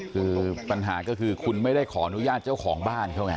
คือปัญหาก็คือคุณไม่ได้ขออนุญาตเจ้าของบ้านเขาไง